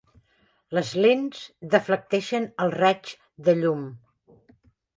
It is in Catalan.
Les lents deflecteixen els raigs de llum.